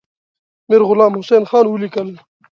میرغلام حسین خان ولیکل.